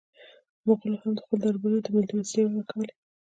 مغولو هم خپلو درباریانو ته مېلمستیاوې ورکولې.